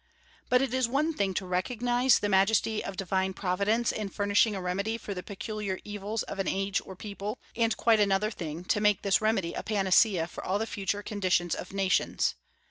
But it is one thing to recognize the majesty of divine Providence in furnishing a remedy for the peculiar evils of an age or people, and quite another thing to make this remedy a panacea for all the future conditions of nations.